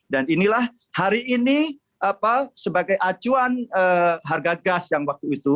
dan inilah hari ini sebagai acuan harga gas yang waktu itu